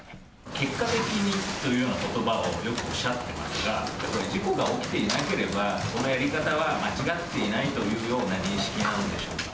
結果的にというようなことばをよくおっしゃっていますが、事故が起きていなければ、そのやり方は間違っていないというような認識なんでしょうか。